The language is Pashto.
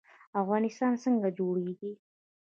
افغانستان څنګه جوړیږي؟